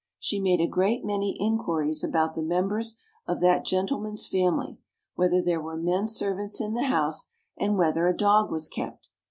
She made a great many inquiries about the members of that gentleman's family, whether there were men servants in the house, and whether a dog was kept.